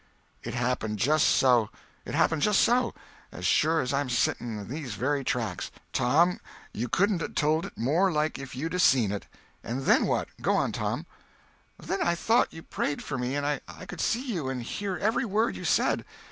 "It happened just so! It happened just so, as sure as I'm a sitting in these very tracks. Tom, you couldn't told it more like if you'd 'a' seen it! And then what? Go on, Tom!" "Then I thought you prayed for me—and I could see you and hear every word you said.